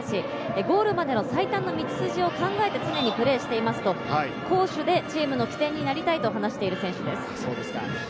ゴールまでの最短の道筋を考えて常にプレーしていますと、攻守でチームの起点になりたいと話している選手です。